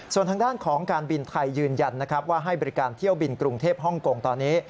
ส่วนทางด้านของการบินไทยยืนยันนะครับว่าให้บริการเที่ยวบินกรุงเทพฮ่องกงตอนนี้